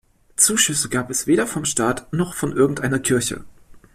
Zuschüsse gibt es weder vom Staat noch von irgendeiner Kirche.